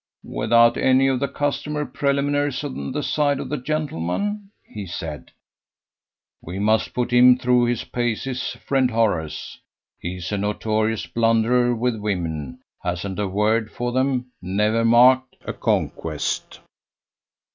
"Without any of the customary preliminaries on the side of the gentleman?" he said. "We must put him through his paces, friend Horace. He's a notorious blunderer with women; hasn't a word for them, never marked a conquest."